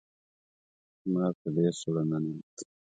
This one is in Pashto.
مار په دې سوړه ننوت